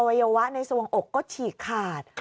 วัยวะในสวงอกก็ฉีกขาด